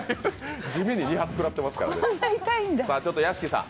地味に２発食らってますからね。